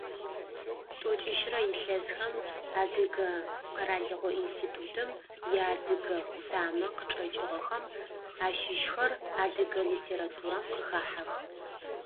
Тӏокӏищрэ илъэсхэм Адыгэ къэралыгъо институтым иадыгэ къутамэ къычӏэкӏыгъэхэм ащыщхэр адыгэ литературэм къыхахьэх.